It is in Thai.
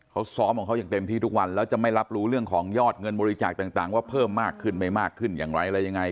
เขาซ้อมของเขาอย่างเต็มที่ทุกวันแล้วจะไม่รับรู้เรื่องของยอดเงินบริจาคต่างว่าเพิ่มมากขึ้นไม่มากขึ้นอย่างไรอะไรยังไง